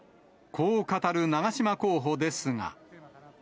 こう語る長島候補ですが。